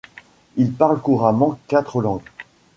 Il parle couramment quatre langues.